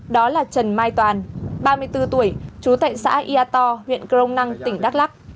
đó là trần mai toàn ba mươi bốn tuổi chú tệnh xã yà tò huyện grông năng tỉnh đắk lắc